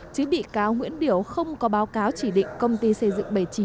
chứ bị cáo nguyễn điểu không có báo cáo chỉ định công ty xây dựng bảy mươi chín